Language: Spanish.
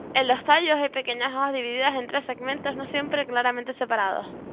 En los tallos hay pequeñas hojas divididas en tres segmentos, no siempre claramente separados.